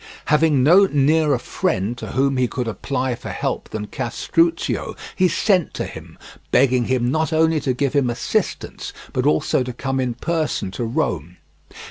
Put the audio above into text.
Having no nearer friend to whom he could apply for help than Castruccio, he sent to him, begging him not only to give him assistance, but also to come in person to Rome.